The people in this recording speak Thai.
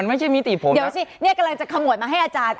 เดี๋ยวสิเนี่ยกำลังจะขโมยมาให้อาจารย์